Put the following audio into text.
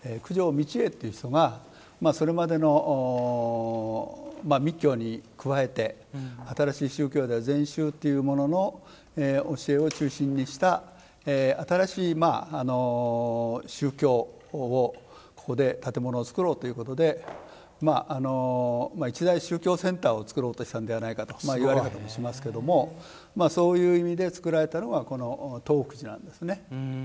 道家という人がそれまでの密教に加えて新しい宗教である禅宗というものの教えを中心にした新しい宗教をここで建物を造ろうということで一大宗教センターをつくろうとしたのではないかという言われ方もしますけれどもそういう意味で造られたのがこの東福寺なんですね。